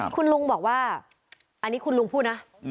คุณลุงบอกว่าอันนี้คุณลุงพูดนะ